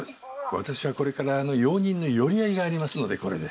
私はこれから用人の寄り合いがありますのでこれで。